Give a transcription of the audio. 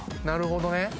なるほどね。